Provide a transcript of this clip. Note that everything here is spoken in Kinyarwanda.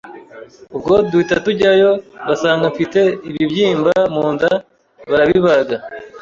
ubwo duhita tujyayo basanga mfite ibibyimba munda barabibaga